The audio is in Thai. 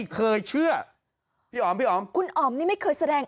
กดเชื่อมั่นมั้ง